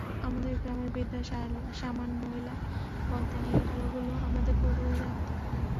আমাদের গ্রামের বৃদ্ধা শামান মহিলা বলতেন, এই আলোগুলো আমাদের পূর্বপুরুষদের আত্মা।